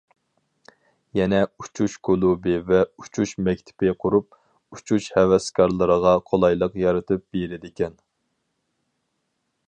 يەنە ئۇچۇش كۇلۇبى ۋە ئۇچۇش مەكتىپى قۇرۇپ، ئۇچۇش ھەۋەسكارلىرىغا قولايلىق يارىتىپ بېرىدىكەن.